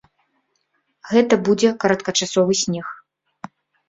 Гэта будзе кароткачасовы снег.